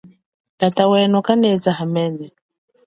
Tata weno kaneza hamene.